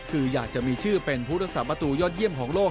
คืออยากจะมีชื่อเป็นผู้รักษาประตูยอดเยี่ยมของโลก